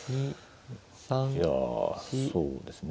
いやそうですね。